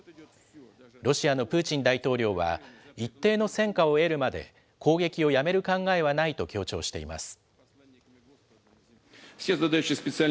ロシアのプーチン大統領は、一定の戦果を得るまで、攻撃をやめる考えはないと強調しています。